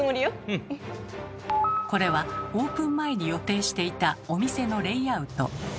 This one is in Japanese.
これはオープン前に予定していたお店のレイアウト。